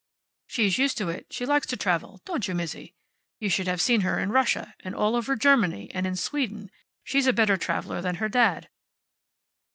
"She's used to it. She likes to travel, don't you, Mizzi? You should have seen her in Russia, and all over Germany, and in Sweden. She's a better traveler than her dad."